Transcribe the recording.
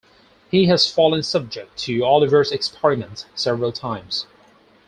He has fallen subject to Oliver's experiments several times.